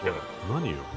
何！？